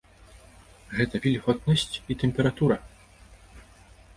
Гэта вільготнасць і тэмпература.